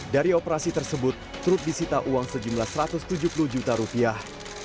dari operasi tersebut truk disita uang sejumlah satu ratus tujuh puluh juta rupiah